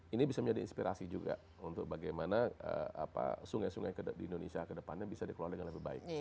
ini bisa menjadi inspirasi juga untuk bagaimana sungai sungai di indonesia ke depannya bisa dikelola dengan lebih baik